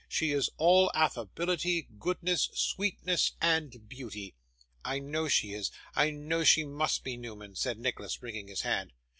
She is all affability, goodness, sweetness, and beauty.' 'I know she is; I know she must be, Newman!' said Nicholas, wringing his hand.